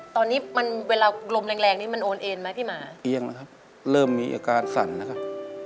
ตอนนี้มันเวลาลมแรงแรงนี่มันโอนเอ็นไหมพี่หมาเอียงนะครับเริ่มมีอาการสั่นนะครับ